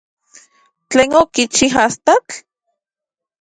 ¿Tlen okichi astatl?